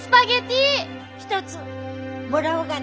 １つもらおうかね。